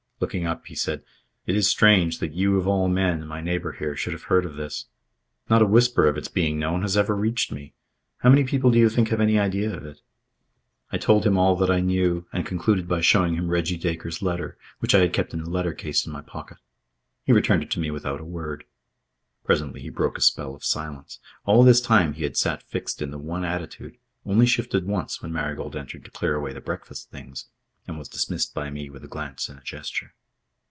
Looking up, he said: "It is strange that you of all men, my neighbour here, should have heard of this. Not a whisper of its being known has ever reached me. How many people do you think have any idea of it?" I told him all that I knew and concluded by showing him Reggie Dacre's letter, which I had kept in the letter case in my pocket. He returned it to me without a word. Presently he broke a spell of silence. All this time he had sat fixed in the one attitude only shifted once, when Marigold entered to clear away the breakfast things and was dismissed by me with a glance and a gesture.